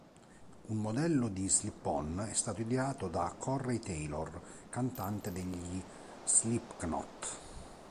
Un modello di "slip on" è stato ideato da Corey Taylor, cantante degli Slipknot.